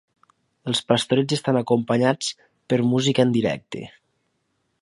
Els pastorets estan acompanyats per música en directe.